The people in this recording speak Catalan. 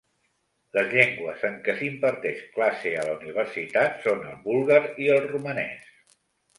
Les llengües en què s'imparteix classe a la universitat són el búlgar i el romanès.